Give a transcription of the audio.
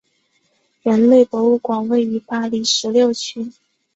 人类博物馆位于巴黎十六区。